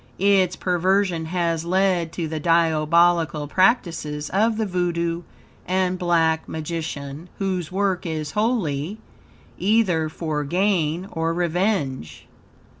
Its perversion has led to the diabolical practices of the Voodo and Black Magician, whose work is wholly, either for gain or revenge.